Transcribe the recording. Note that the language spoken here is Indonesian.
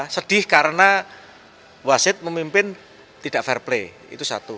sedih karena wasit memimpin tidak fair play itu satu